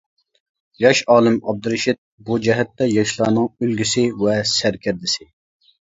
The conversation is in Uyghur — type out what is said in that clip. ياش ئالىم ئابدۇرېشىت بۇ جەھەتتە ياشلارنىڭ ئۈلگىسى ۋە سەركەردىسى.